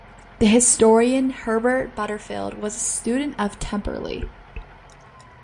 The historian Herbert Butterfield was a student of Temperley.